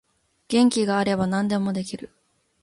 元気があれば何でもできる